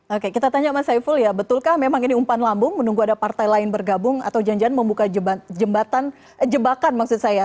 oke kita tanya mas saiful ya betulkah memang ini umpan lambung menunggu ada partai lain bergabung atau janjian membuka jebakan maksud saya